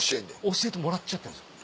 教えてもらっちゃってるんです。